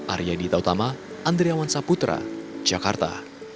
arya dita utama andriawan saputra jakarta